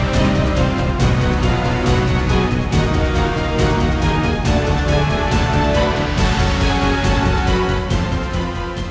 โปรดติดตามตอนต่อไป